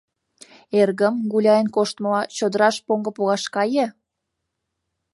Эргым, гуляен коштмыла, чодыраш поҥго погаш кае.